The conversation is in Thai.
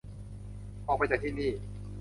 ออกไปจากที่นี่